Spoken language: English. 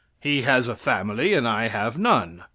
He has a family, and I have none."